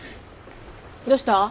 どうした？